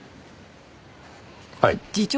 はい。